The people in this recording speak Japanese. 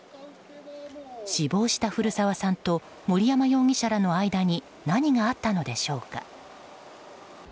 死亡した古澤さんと森山容疑者らの間に何があったのでしょうか。